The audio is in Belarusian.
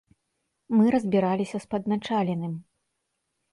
Мы разбіраліся з падначаленым.